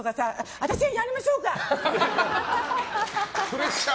私がやりましょうか？とか。